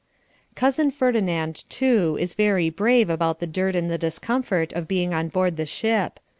Cousin Ferdinand, too, is very brave about the dirt and the discomfort of being on board the ship.